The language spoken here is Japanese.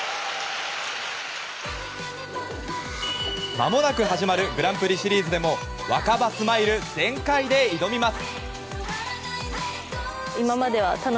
まもなく始まるグランプリシリーズでも新葉スマイル全開で挑みます！